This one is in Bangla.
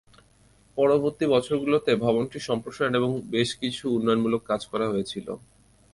পরবর্তী বছরগুলোতে, ভবনটির সম্প্রসারণ এবং বেশ কিছু উন্নয়নমূলক কাজ করা হয়েছিল।